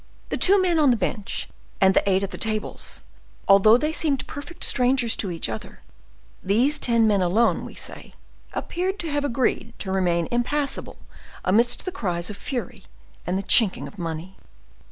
The two men on the bench and the eight at the tables, although they seemed perfect strangers to each other, these ten men alone, we say, appeared to have agreed to remain impassible amidst the cries of fury and the chinking of money.